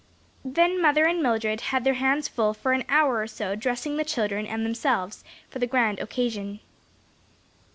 Then mother and Mildred had their hands full for an hour or so in dressing the children and themselves for the grand occasion.